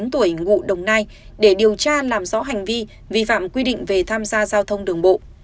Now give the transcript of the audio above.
bốn mươi tuổi ngụ đồng nai để điều tra làm rõ hành vi vi phạm quy định về tham gia giao thông đường bộ